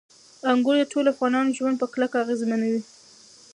انګور د ټولو افغانانو ژوند په کلکه اغېزمنوي.